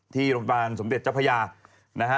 ที่โรงพยาบาลสมเด็จเจ้าพระยานะฮะ